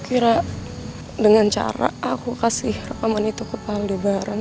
aku kira dengan cara aku kasih rekaman itu ke pahaldebaran